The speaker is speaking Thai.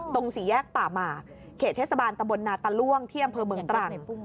สี่แยกป่าหมากเขตเทศบาลตะบลนาตะล่วงที่อำเภอเมืองตรัง